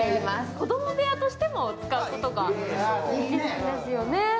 子供部屋としても使うことができるんですよね。